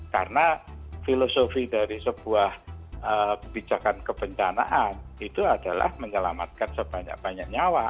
karena filosofi dari sebuah kebijakan kebencanaan itu adalah menyelamatkan sebanyak banyak nyawa